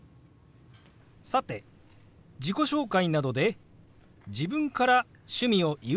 さて自己紹介などで自分から趣味を言う時もありますよね。